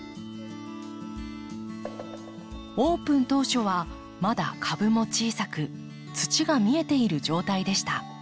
オープン当初はまだ株も小さく土が見えている状態でした。